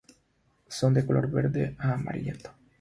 Son de color verde a amarillento.